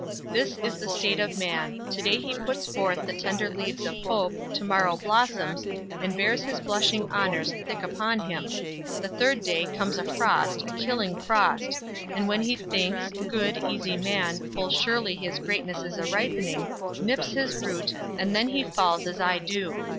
This is the state of man; to day he puts forth The tender leaves of hope, to morrow blossoms, And bears his blushing honors thick upon him; The third day, comes a frost, a killing frost; And, when he thinks, good, easy man, full surely His greatness is a ripening nips his root, And then he falls as I do.